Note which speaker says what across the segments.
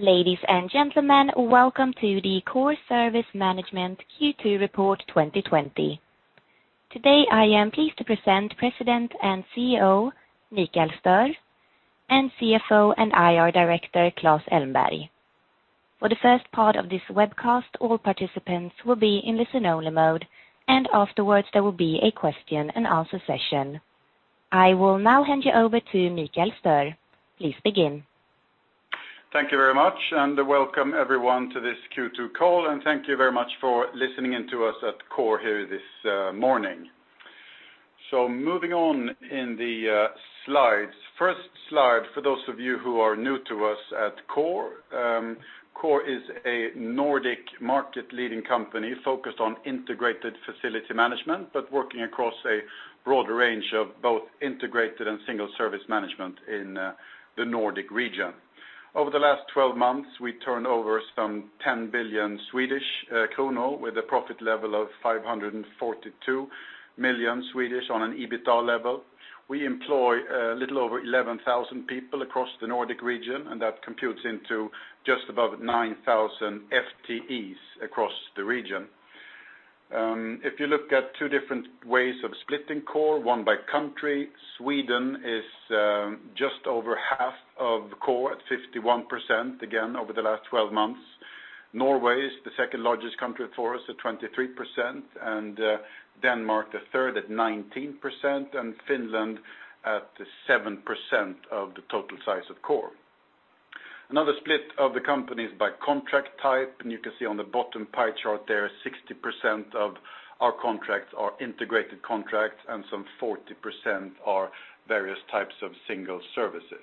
Speaker 1: Ladies and gentlemen, welcome to the Coor Service Management Q2 report 2020. Today, I am pleased to present President and CEO, Mikael Stöhr, and CFO and IR Director, Klas Elmberg. For the first part of this webcast, all participants will be in listen only mode, and afterwards there will be a question and answer session. I will now hand you over to Mikael Stöhr. Please begin.
Speaker 2: Thank you very much, welcome everyone to this Q2 call. Thank you very much for listening in to us at Coor here this morning. Moving on in the slides. First slide, for those of you who are new to us at Coor is a Nordic market-leading company focused on integrated facility management, but working across a broad range of both integrated and single service management in the Nordic region. Over the last 12 months, we turned over some 10 billion with a profit level of 542 million on an EBITDA level. We employ a little over 11,000 people across the Nordic region, that computes into just above 9,000 FTEs across the region. If you look at two different ways of splitting Coor, one by country, Sweden is just over half of Coor at 51%, again, over the last 12 months. Norway is the second-largest country for us at 23%, Denmark the third at 19%, Finland at 7% of the total size of Coor. Another split of the company is by contract type, you can see on the bottom pie chart there, 60% of our contracts are integrated contracts, some 40% are various types of single services.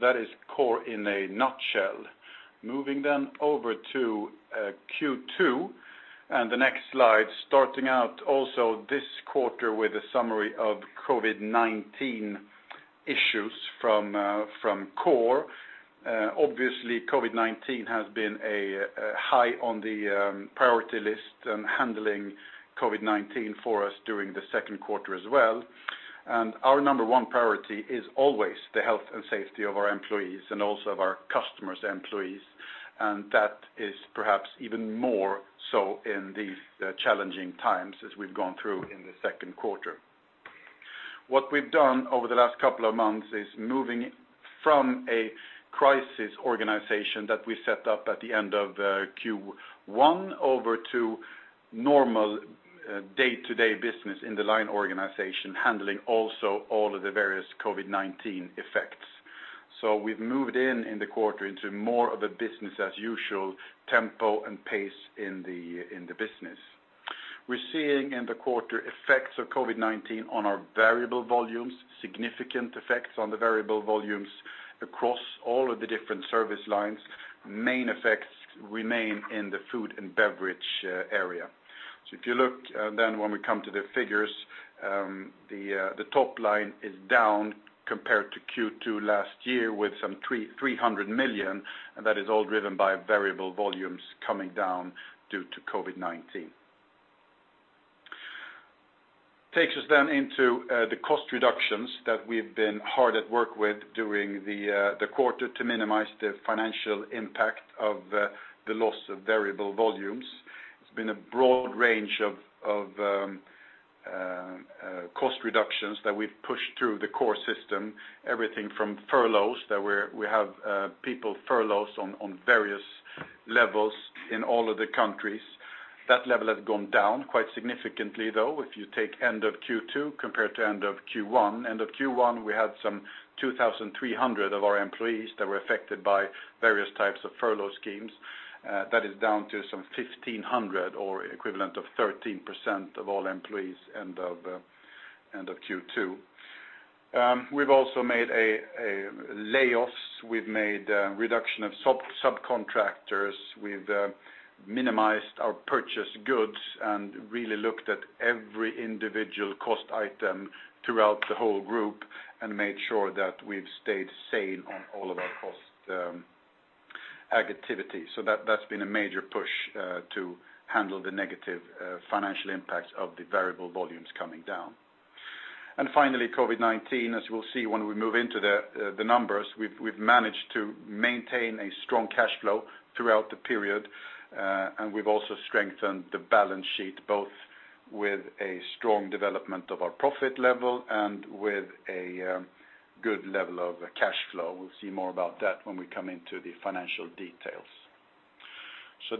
Speaker 2: That is Coor in a nutshell. Moving then over to Q2, and the next slide. Starting out also this quarter with a summary of COVID-19 issues from Coor. Obviously, COVID-19 has been high on the priority list, handling COVID-19 for us during the second quarter as well. Our number one priority is always the health and safety of our employees, also of our customers' employees. That is perhaps even more so in these challenging times as we've gone through in the second quarter. What we've done over the last couple of months is moving from a crisis organization that we set up at the end of Q1 over to normal day-to-day business in the line organization, handling also all of the various COVID-19 effects. We've moved in in the quarter into more of a business as usual tempo and pace in the business. We're seeing in the quarter effects of COVID-19 on our variable volumes, significant effects on the variable volumes across all of the different service lines. Main effects remain in the food and beverage area. If you look then when we come to the figures, the top line is down compared to Q2 last year with some 300 million, that is all driven by variable volumes coming down due to COVID-19. Takes us into the cost reductions that we've been hard at work with during the quarter to minimize the financial impact of the loss of variable volumes. It's been a broad range of cost reductions that we've pushed through the Coor system. Everything from furloughs, that we have people furloughed on various levels in all of the countries. That level has gone down quite significantly, though, if you take end of Q2 compared to end of Q1. End of Q1, we had some 2,300 of our employees that were affected by various types of furlough schemes. That is down to some 1,500, or equivalent of 13% of all employees end of Q2. We've also made layoffs. We've made reduction of subcontractors. We've minimized our purchase goods and really looked at every individual cost item throughout the whole group and made sure that we've stayed sane on all of our cost activity. That's been a major push to handle the negative financial impacts of the variable volumes coming down. Finally, COVID-19, as we'll see when we move into the numbers, we've managed to maintain a strong cash flow throughout the period. We've also strengthened the balance sheet, both with a strong development of our profit level and with a good level of cash flow. We'll see more about that when we come into the financial details.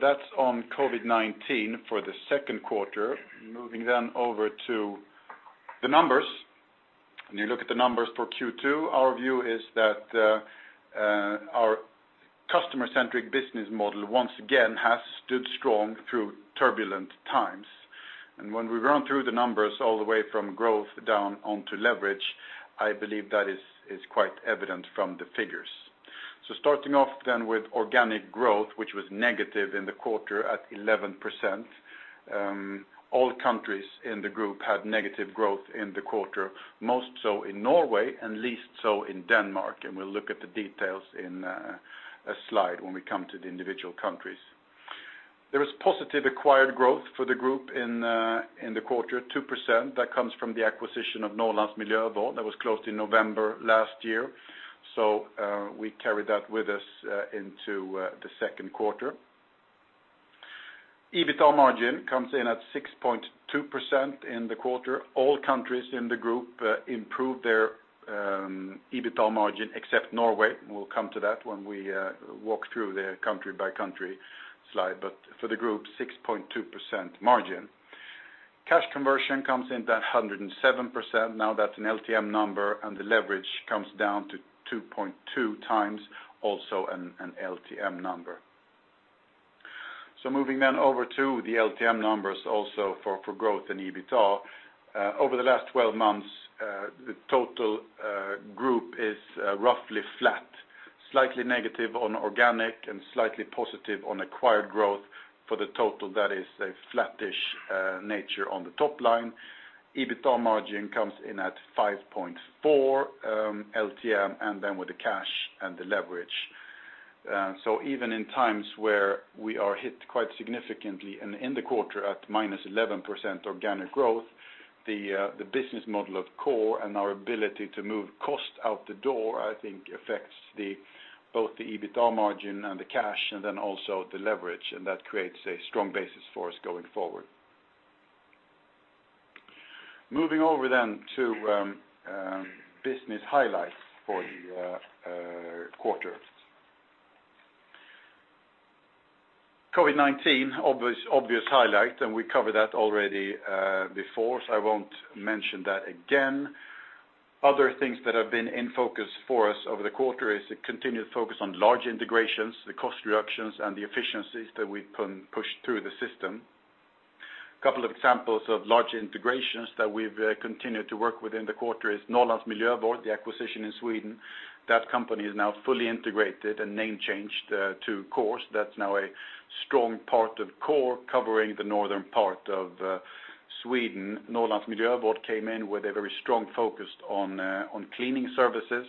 Speaker 2: That's on COVID-19 for the second quarter. Moving over to the numbers. When you look at the numbers for Q2, our view is that our customer-centric business model once again has stood strong through turbulent times. When we run through the numbers all the way from growth down onto leverage, I believe that is quite evident from the figures. Starting off with organic growth, which was negative in the quarter at 11%. All countries in the group had negative growth in the quarter, most so in Norway and least so in Denmark. We'll look at the details in a slide when we come to the individual countries. There is positive acquired growth for the group in the quarter, 2%, that comes from the acquisition of Norrlands Miljövård that was closed in November last year. We carried that with us into the second quarter. EBITDA margin comes in at 6.2% in the quarter. All countries in the group improved their EBITDA margin except Norway. We'll come to that when we walk through the country-by-country slide. But for the group, 6.2% margin. Cash conversion comes in at 107%. Now that's an LTM number. The leverage comes down to 2.2 times, also an LTM number. Moving over to the LTM numbers also for growth in EBITDA. Over the last 12 months, the total group is roughly flat, slightly negative on organic and slightly positive on acquired growth. For the total, that is a flattish nature on the top line. EBITDA margin comes in at 5.4 LTM. With the cash and the leverage. Even in times where we are hit quite significantly in the quarter at -11% organic growth, the business model of Coor and our ability to move cost out the door, I think affects both the EBITDA margin and the cash, and then also the leverage, and that creates a strong basis for us going forward. Moving over to business highlights for the quarter. COVID-19, obvious highlight. We covered that already before, I won't mention that again. Other things that have been in focus for us over the quarter is the continued focus on large integrations, the cost reductions, and the efficiencies that we can push through the system. A couple of examples of large integrations that we've continued to work with in the quarter is Norrlands Miljövård, the acquisition in Sweden. That company is now fully integrated and name changed to Coor. That's now a strong part of Coor covering the northern part of Sweden. Norrlands Miljövård came in with a very strong focus on cleaning services.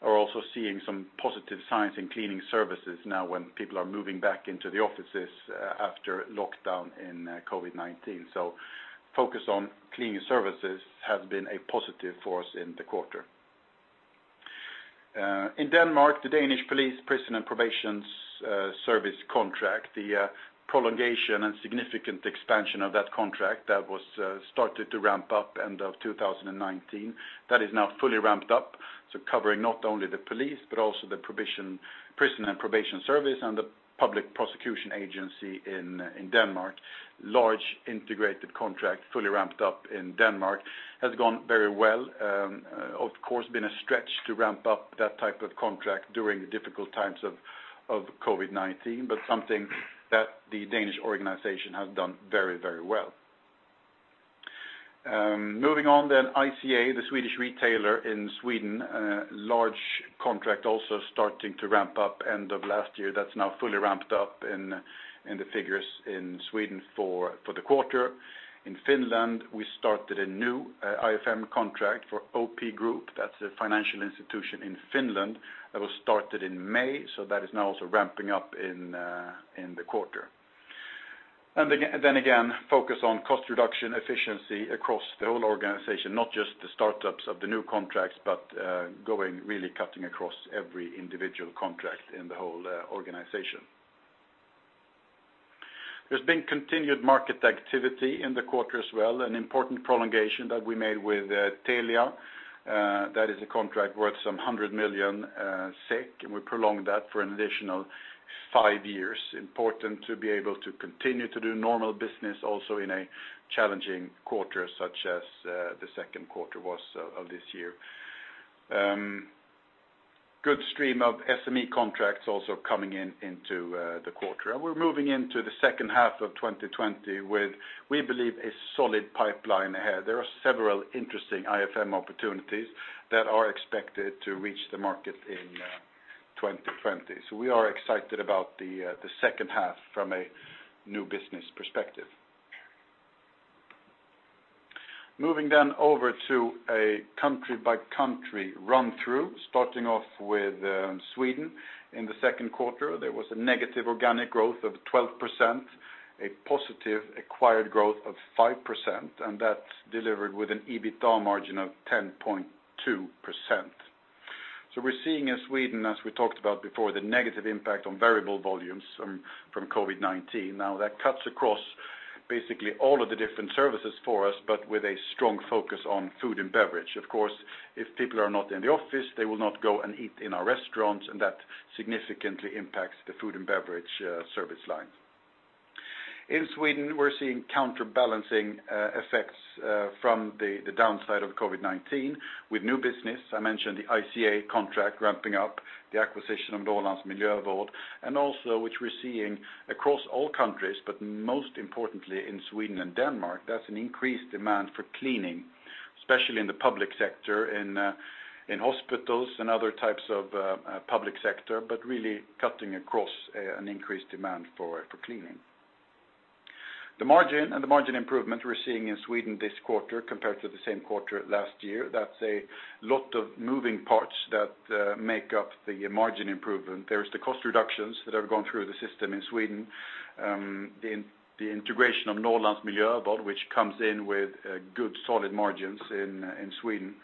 Speaker 2: Are also seeing some positive signs in cleaning services now when people are moving back into the offices after lockdown in COVID-19. Focus on cleaning services has been a positive for us in the quarter. In Denmark, the Danish Police, Prison and Probation Service contract, the prolongation and significant expansion of that contract that was started to ramp up end of 2019, that is now fully ramped up. Covering not only the police, but also the Prison and Probation Service, and the Public Prosecution Agency in Denmark. Large integrated contract fully ramped up in Denmark, has gone very well. Of course, been a stretch to ramp up that type of contract during the difficult times of COVID-19, but something that the Danish organization has done very well. Moving on then, ICA, the Swedish retailer in Sweden, large contract also starting to ramp up end of last year. That's now fully ramped up in the figures in Sweden for the quarter. In Finland, we started a new IFM contract for OP Group. That's a financial institution in Finland that was started in May. That is now also ramping up in the quarter. Again, focus on cost reduction efficiency across the whole organization, not just the startups of the new contracts, but going really cutting across every individual contract in the whole organization. There's been continued market activity in the quarter as well, an important prolongation that we made with Telia. That is a contract worth some 100 million SEK, and we prolonged that for an additional 5 years. Important to be able to continue to do normal business also in a challenging quarter such as the second quarter was of this year. Good stream of SME contracts also coming in into the quarter. We're moving into the second half of 2020 with, we believe, a solid pipeline ahead. There are several interesting IFM opportunities that are expected to reach the market in 2020. We are excited about the second half from a new business perspective. Moving then over to a country-by-country run-through, starting off with Sweden. In the second quarter, there was a negative organic growth of 12%, a positive acquired growth of 5%, and that's delivered with an EBITDA margin of 10.2%. We're seeing in Sweden, as we talked about before, the negative impact on variable volumes from COVID-19. That cuts across basically all of the different services for us, but with a strong focus on food and beverage. Of course, if people are not in the office, they will not go and eat in our restaurants, and that significantly impacts the food and beverage service lines. In Sweden, we're seeing counterbalancing effects from the downside of COVID-19 with new business. I mentioned the ICA contract ramping up, the acquisition of Norrlands Miljövård, and also which we're seeing across all countries, but most importantly in Sweden and Denmark. That's an increased demand for cleaning, especially in the public sector, in hospitals and other types of public sector, but really cutting across an increased demand for cleaning. The margin and the margin improvement we're seeing in Sweden this quarter compared to the same quarter last year, that's a lot of moving parts that make up the margin improvement. There is the cost reductions that have gone through the system in Sweden, the integration of Norrlands Miljövård, which comes in with good, solid margins in Sweden.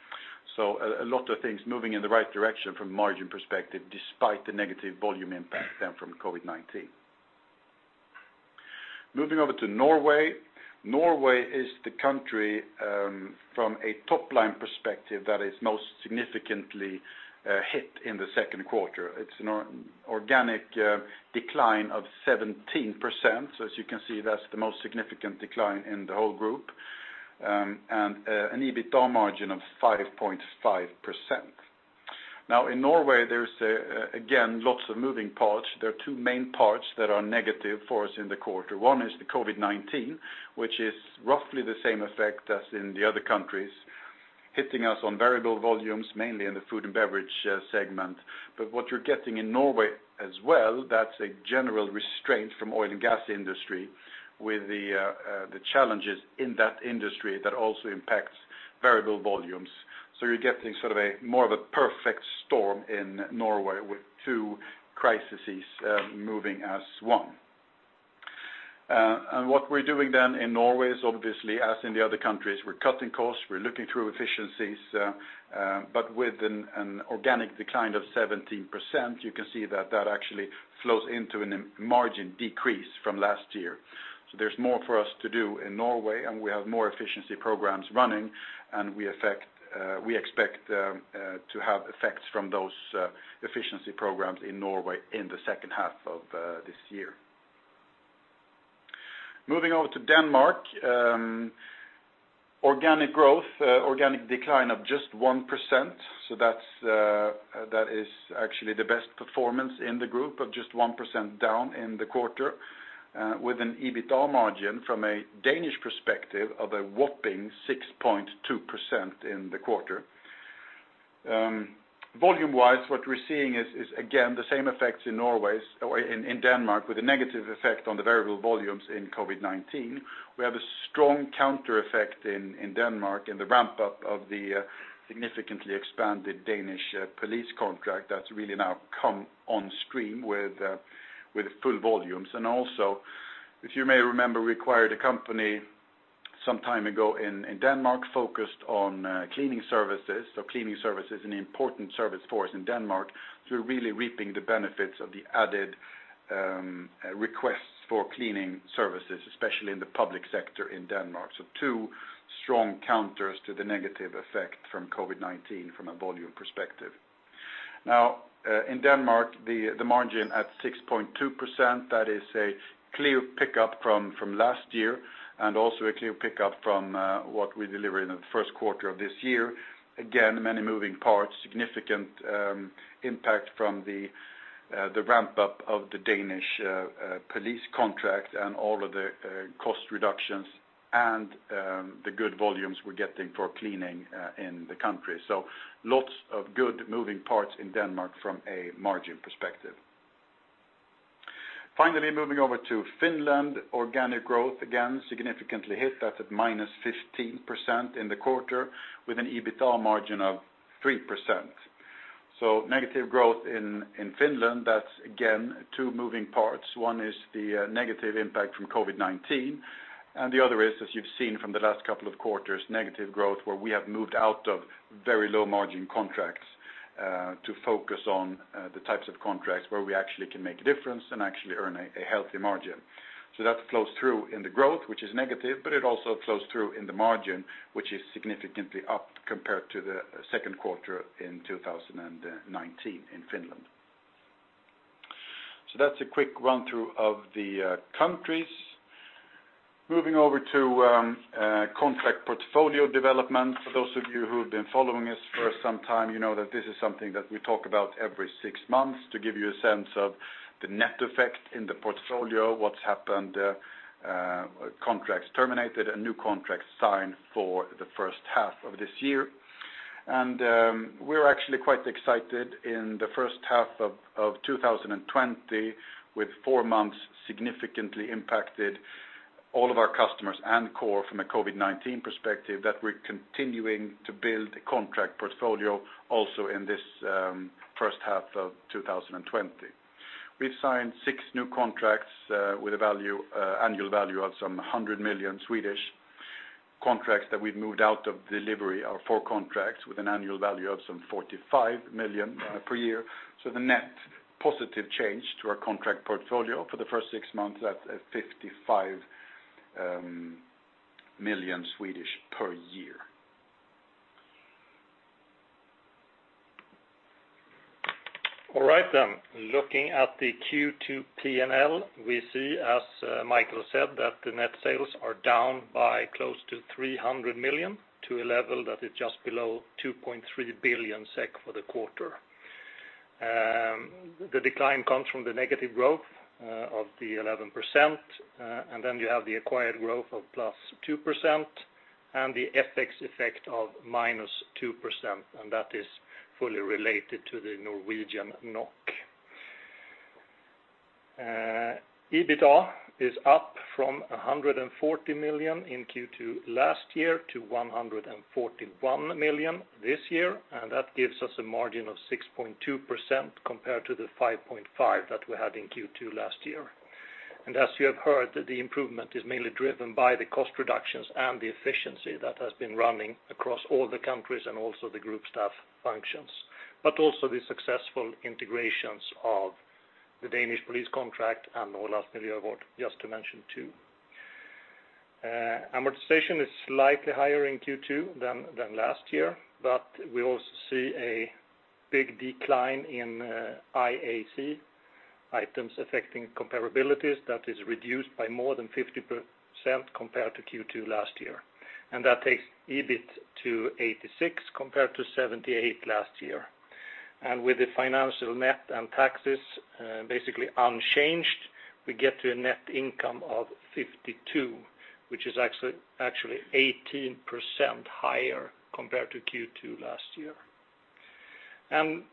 Speaker 2: A lot of things moving in the right direction from a margin perspective, despite the negative volume impact then from COVID-19. Moving over to Norway. Norway is the country, from a top-line perspective, that is most significantly hit in the second quarter. It's an organic decline of 17%. As you can see, that's the most significant decline in the whole group, and an EBITDA margin of 5.5%. Now in Norway, there is, again, lots of moving parts. There are two main parts that are negative for us in the quarter. One is the COVID-19, which is roughly the same effect as in the other countries, hitting us on variable volumes, mainly in the food and beverage segment. What you're getting in Norway as well, that's a general restraint from oil and gas industry with the challenges in that industry that also impacts variable volumes. You're getting more of a perfect storm in Norway with two crises moving as one. What we're doing then in Norway is obviously, as in the other countries, we're cutting costs, we're looking through efficiencies, but with an organic decline of 17%, you can see that that actually flows into a margin decrease from last year. There's more for us to do in Norway, and we have more efficiency programs running, and we expect to have effects from those efficiency programs in Norway in the second half of this year. Moving over to Denmark. Organic decline of just 1%. That is actually the best performance in the group of just 1% down in the quarter, with an EBITDA margin from a Danish perspective of a whopping 6.2% in the quarter. Volume wise, what we're seeing is again, the same effects in Denmark with a negative effect on the variable volumes in COVID-19. We have a strong counter effect in Denmark in the ramp-up of the significantly expanded Danish police contract that's really now come on stream with full volumes. Also, if you may remember, we acquired a company some time ago in Denmark focused on cleaning services. Cleaning services is an important service for us in Denmark. We're really reaping the benefits of the added requests for cleaning services, especially in the public sector in Denmark. Two strong counters to the negative effect from COVID-19 from a volume perspective. Now, in Denmark, the margin at 6.2%, that is a clear pickup from last year and also a clear pickup from what we delivered in the first quarter of this year. Many moving parts, significant impact from the ramp-up of the Danish police contract and all of the cost reductions and the good volumes we're getting for cleaning in the country. Lots of good moving parts in Denmark from a margin perspective. Finally, moving over to Finland. Organic growth, again, significantly hit. That's at -15% in the quarter with an EBITDA margin of 3%. Negative growth in Finland, that's again, two moving parts. One is the negative impact from COVID-19, and the other is, as you've seen from the last couple of quarters, negative growth where we have moved out of very low margin contracts to focus on the types of contracts where we actually can make a difference and actually earn a healthy margin. That flows through in the growth, which is negative, it also flows through in the margin, which is significantly up compared to the second quarter in 2019 in Finland. That's a quick run through of the countries. Moving over to contract portfolio development. For those of you who have been following us for some time, you know that this is something that we talk about every six months to give you a sense of the net effect in the portfolio, what's happened, contracts terminated, and new contracts signed for the first half of this year. We're actually quite excited in the first half of 2020 with four months significantly impacted all of our customers and Coor from a COVID-19 perspective, that we're continuing to build a contract portfolio also in this first half of 2020. We've signed six new contracts with annual value of some 100 million. Contracts that we've moved out of delivery are four contracts with an annual value of some 45 million per year. The net positive change to our contract portfolio for the first six months, that's at 55 million per year.
Speaker 3: Looking at the Q2 P&L, we see, as Michael said, that the net sales are down by close to 300 million to a level that is just below 2.3 billion SEK for the quarter. The decline comes from the negative growth of the 11%, you have the acquired growth of +2% and the FX effect of -2%, and that is fully related to the Norwegian NOK. EBITDA is up from 140 million in Q2 last year to 141 million this year, and that gives us a margin of 6.2% compared to the 5.5% that we had in Q2 last year. As you have heard, the improvement is mainly driven by the cost reductions and the efficiency that has been running across all the countries and also the group staff functions, but also the successful integrations of the Danish police contract and Norrlands Miljövård, just to mention two. Amortization is slightly higher in Q2 than last year, but we also see a big decline in IAC, Items Affecting Comparability, that is reduced by more than 50% compared to Q2 last year. That takes EBIT to 86 compared to 78 last year. With the financial net and taxes basically unchanged, we get to a net income of 52, which is actually 18% higher compared to Q2 last year.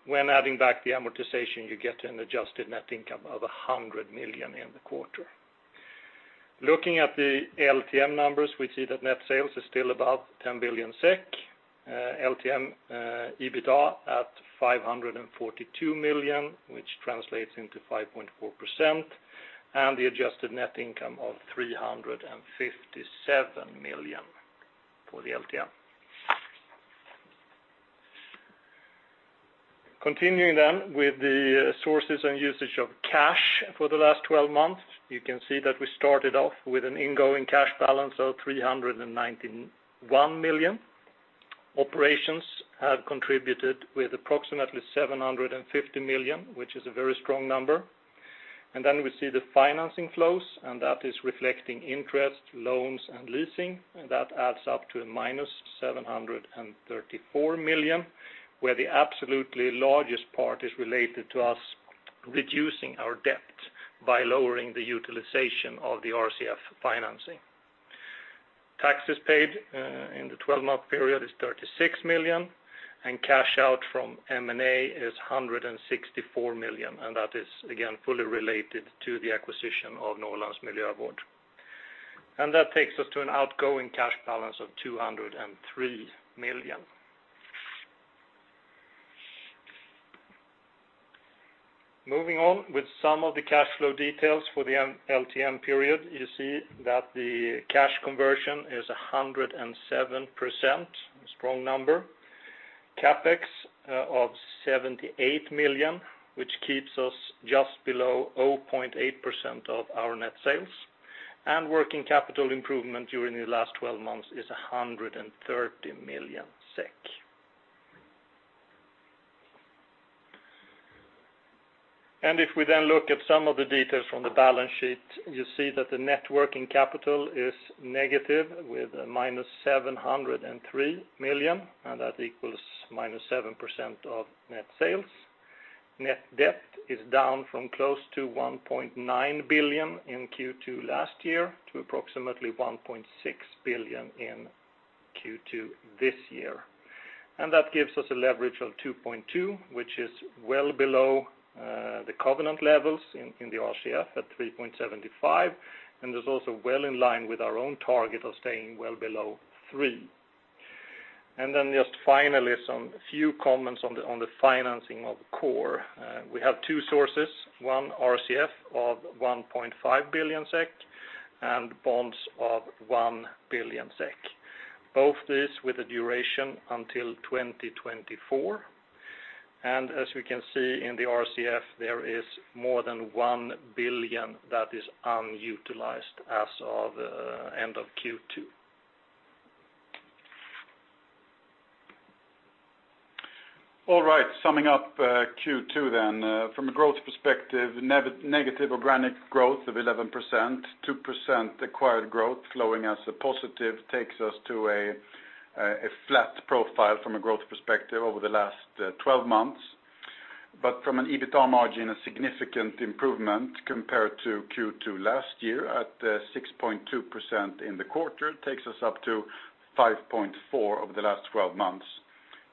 Speaker 3: When adding back the amortization, you get an adjusted net income of 100 million in the quarter. Looking at the LTM numbers, we see that net sales is still above 10 billion SEK. LTM EBITDA at 542 million, which translates into 5.4%, and the adjusted net income of 357 million for the LTM. Continuing with the sources and usage of cash for the last 12 months. You can see that we started off with an ingoing cash balance of 391 million. Operations have contributed with approximately 750 million, which is a very strong number. Then we see the financing flows, and that is reflecting interest, loans, and leasing. That adds up to a minus 734 million, where the absolutely largest part is related to us reducing our debt by lowering the utilization of the RCF financing. Taxes paid in the 12-month period is 36 million, and cash out from M&A is 164 million, and that is, again, fully related to the acquisition of Norrlands Miljövård. That takes us to an outgoing cash balance of 203 million. Moving on with some of the cash flow details for the LTM period. You see that the cash conversion is 107%, a strong number. CapEx of 78 million, which keeps us just below 0.8% of our net sales. Working capital improvement during the last 12 months is 130 million SEK. If we then look at some of the details from the balance sheet, you see that the net working capital is negative with a minus 703 million, and that equals minus 7% of net sales. Net debt is down from close to 1.9 billion in Q2 last year to approximately 1.6 billion in Q2 this year. That gives us a leverage of 2.2, which is well below the covenant levels in the RCF at 3.75, and is also well in line with our own target of staying well below three. Then just finally, some few comments on the financing of Coor. We have two sources, one RCF of 1.5 billion SEK and bonds of 1 billion SEK. Both these with a duration until 2024. As we can see in the RCF, there is more than 1 billion that is unutilized as of end of Q2. All right. Summing up Q2. From a growth perspective, negative organic growth of 11%, 2% acquired growth flowing as a positive takes us to a flat profile from a growth perspective over the last 12 months. From an EBITDA margin, a significant improvement compared to Q2 last year at 6.2% in the quarter takes us up to 5.4% over the last 12 months.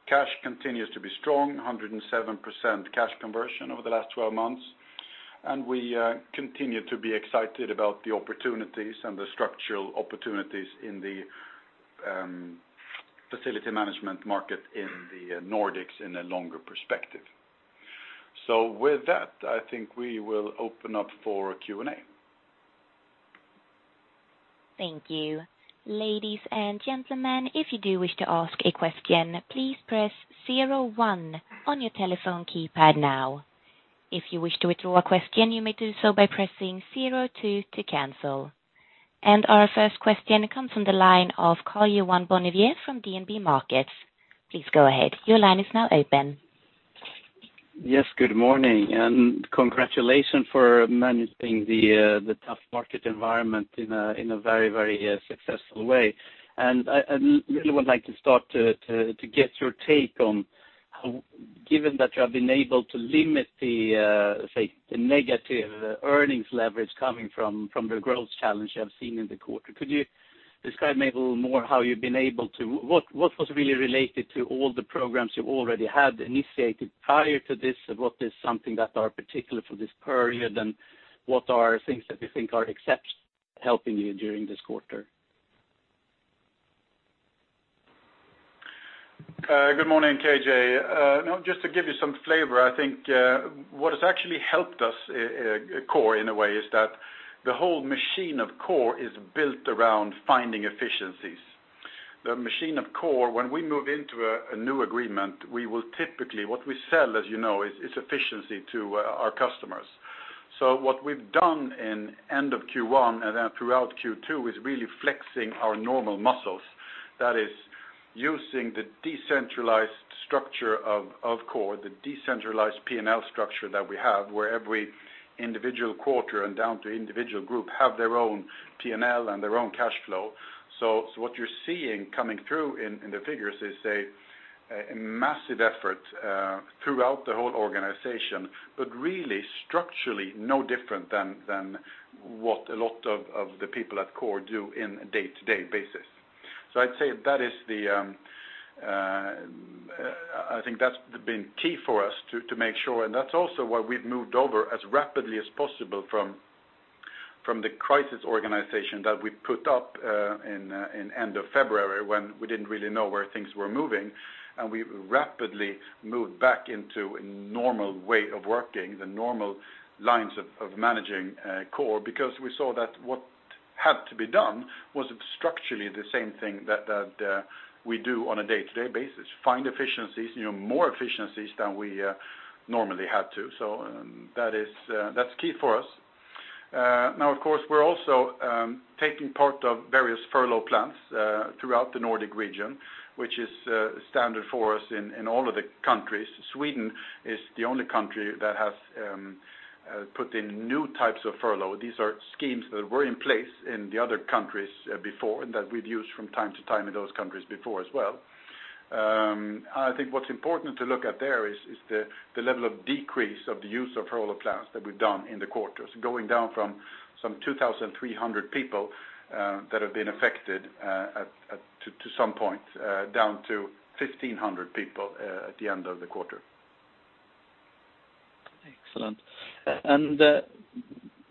Speaker 3: Cash continues to be strong, 107% cash conversion over the last 12 months. We continue to be excited about the opportunities and the structural opportunities in the facility management market in the Nordics in a longer perspective. With that, I think we will open up for Q&A.
Speaker 1: Thank you. Ladies and gentlemen, if you do wish to ask a question, please press 01 on your telephone keypad now. If you wish to withdraw a question, you may do so by pressing 02 to cancel. Our first question comes from the line of Karl Bonnevier from DNB Markets. Please go ahead. Your line is now open.
Speaker 4: Yes, good morning, congratulations for managing the tough market environment in a very successful way. I really would like to start to get your take on, given that you have been able to limit the, say, the negative earnings leverage coming from the growth challenge you have seen in the quarter, could you Describe maybe a little more what was really related to all the programs you already had initiated prior to this, and what is something that are particular for this period? What are things that you think are especially helping you during this quarter?
Speaker 2: Good morning, KJ. Just to give you some flavor, I think what has actually helped us, Coor in a way, is that the whole machine of Coor is built around finding efficiencies. The machine of Coor, when we move into a new agreement, we will typically, what we sell, as you know, is efficiency to our customers. What we've done in end of Q1, and then throughout Q2, is really flexing our normal muscles. That is, using the decentralized structure of Coor, the decentralized P&L structure that we have, where every individual quarter and down to individual group have their own P&L and their own cash flow. What you're seeing coming through in the figures is a massive effort throughout the whole organization, but really structurally no different than what a lot of the people at Coor do in day-to-day basis. I'd say I think that's been key for us to make sure, and that's also why we've moved over as rapidly as possible from the crisis organization that we put up in end of February, when we didn't really know where things were moving, and we rapidly moved back into a normal way of working, the normal lines of managing Coor because we saw that what had to be done was structurally the same thing that we do on a day-to-day basis. Find efficiencies, more efficiencies than we normally had to. That's key for us. Now, of course, we're also taking part of various furlough plans throughout the Nordic region, which is standard for us in all of the countries. Sweden is the only country that has put in new types of furlough. These are schemes that were in place in the other countries before, that we've used from time to time in those countries before as well. I think what's important to look at there is the level of decrease of the use of furlough plans that we've done in the quarters. Going down from some 2,300 people that have been affected to some point, down to 1,500 people at the end of the quarter.
Speaker 4: Excellent.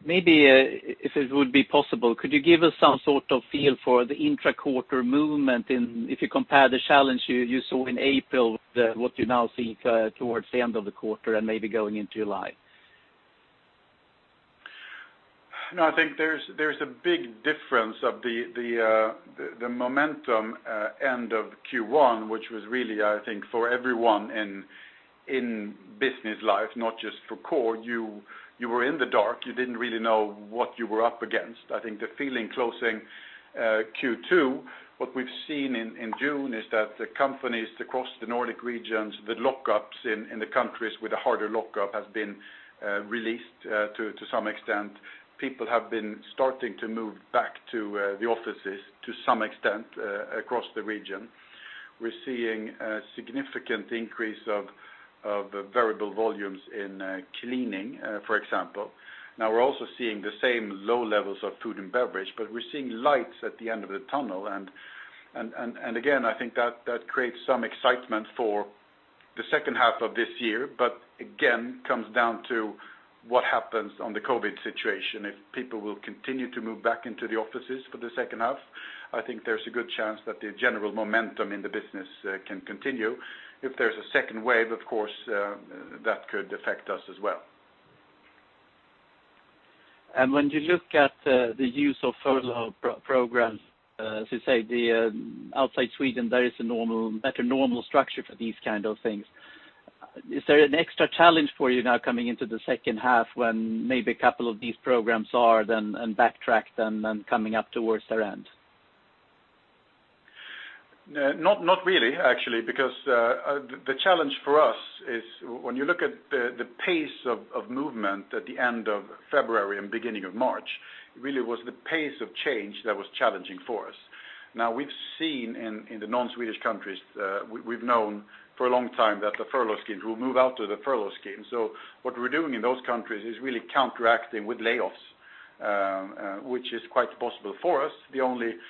Speaker 4: Maybe if it would be possible, could you give us some sort of feel for the intra-quarter movement in, if you compare the challenge you saw in April with what you now see towards the end of the quarter and maybe going into July?
Speaker 2: I think there's a big difference of the momentum end of Q1, which was really, I think, for everyone in business life, not just for Coor. You were in the dark. You didn't really know what you were up against. I think the feeling closing Q2, what we've seen in June is that the companies across the Nordic regions, the lockups in the countries with a harder lockup has been released to some extent. People have been starting to move back to the offices to some extent across the region. We're seeing a significant increase of variable volumes in cleaning, for example. We're also seeing the same low levels of food and beverage, but we're seeing lights at the end of the tunnel. I think that creates some excitement for the second half of this year, but again, comes down to what happens on the COVID situation. If people will continue to move back into the offices for the second half, I think there's a good chance that the general momentum in the business can continue. If there's a second wave, of course, that could affect us as well.
Speaker 4: When you look at the use of furlough programs, as you say, outside Sweden, there is a better normal structure for these kind of things. Is there an extra challenge for you now coming into the second half when maybe a couple of these programs are then backtracked and coming up towards their end?
Speaker 2: Not really, actually. The challenge for us is when you look at the pace of movement at the end of February and beginning of March, it really was the pace of change that was challenging for us. We've seen in the non-Swedish countries, we've known for a long time that the furlough schemes will move out to the furlough scheme. What we're doing in those countries is really counteracting with layoffs, which is quite possible for us. The only challenge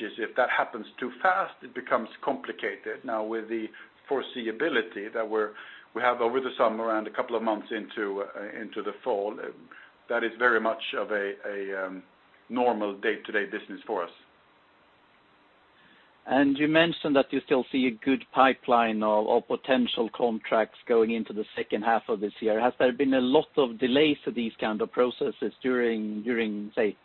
Speaker 2: is if that happens too fast, it becomes complicated. With the foreseeability that we have over the summer and a couple of months into the fall, that is very much of a normal day-to-day business for us.
Speaker 4: You mentioned that you still see a good pipeline of potential contracts going into the second half of this year. Has there been a lot of delays to these kind of processes during, say,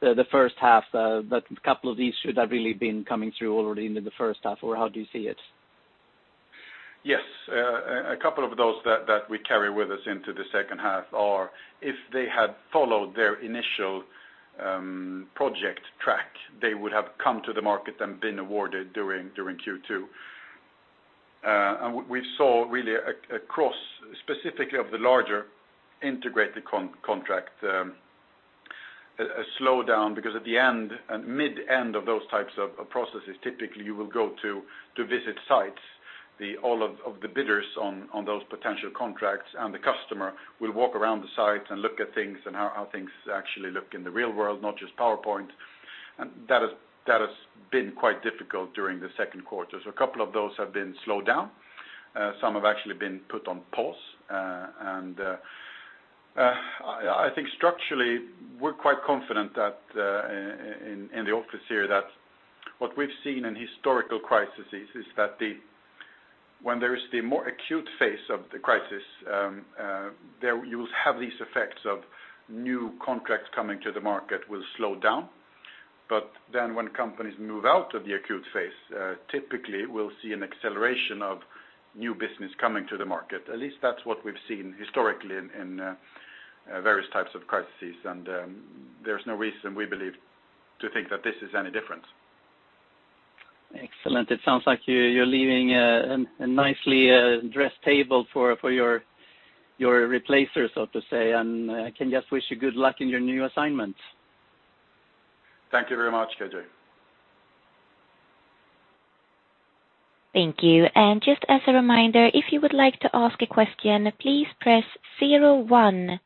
Speaker 4: the first half, that a couple of these should have really been coming through already in the first half, or how do you see it?
Speaker 2: Yes. A couple of those that we carry with us into the second half are, if they had followed their initial project track, they would have come to the market and been awarded during Q2. We saw really a cross, specifically of the larger integrated contract, a slowdown because at the end and mid-end of those types of processes, typically you will go to visit sites All of the bidders on those potential contracts and the customer will walk around the site and look at things and how things actually look in the real world, not just PowerPoint. That has been quite difficult during the second quarter. A couple of those have been slowed down. Some have actually been put on pause. I think structurally, we're quite confident in the office here that what we've seen in historical crises is that when there is the more acute phase of the crisis, you will have these effects of new contracts coming to the market will slow down. When companies move out of the acute phase, typically we'll see an acceleration of new business coming to the market. At least that's what we've seen historically in various types of crises. There's no reason we believe, to think that this is any different.
Speaker 4: Excellent. It sounds like you're leaving a nicely dressed table for your replacer, so to say, I can just wish you good luck in your new assignment.
Speaker 2: Thank you very much, KJ.
Speaker 1: Thank you. Just as a reminder, if you would like to ask a question, please press 01 on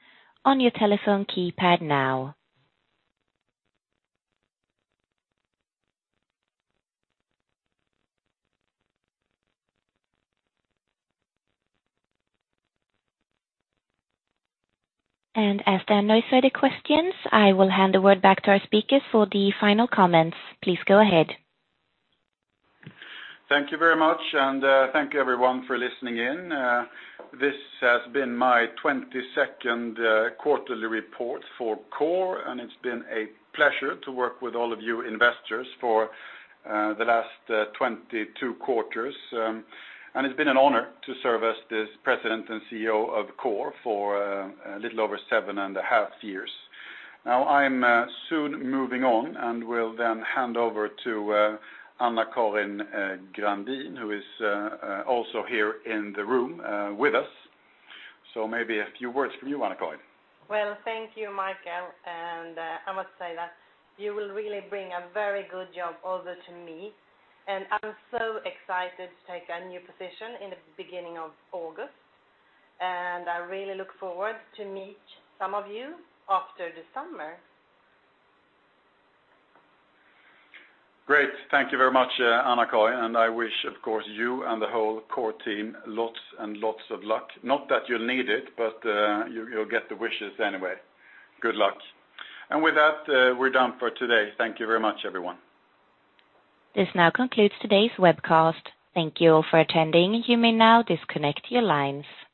Speaker 1: your telephone keypad now. As there are no further questions, I will hand the word back to our speakers for the final comments. Please go ahead.
Speaker 2: Thank you very much, and thank you everyone for listening in. This has been my 22nd quarterly report for Coor, and it's been a pleasure to work with all of you investors for the last 22 quarters. It's been an honor to serve as this President and CEO of Coor for a little over seven and a half years. Now, I'm soon moving on, and will then hand over to AnnaCarin Grandin, who is also here in the room with us. Maybe a few words from you, AnnaCarin.
Speaker 5: Well, thank you, Mikael. I must say that you will really bring a very good job over to me, and I'm so excited to take a new position in the beginning of August. I really look forward to meet some of you after the summer.
Speaker 2: Great. Thank you very much, AnnaCarin, and I wish, of course, you and the whole Coor team, lots and lots of luck. Not that you'll need it, but you'll get the wishes anyway. Good luck. With that, we're done for today. Thank you very much, everyone.
Speaker 1: This now concludes today's webcast. Thank you all for attending. You may now disconnect your lines.